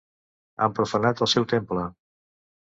Han profanat el seu temple.